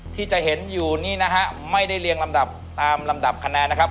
ที่จะเห็นอยู่นี่นะฮะไม่ได้เรียงลำดับตามลำดับคะแนนนะครับ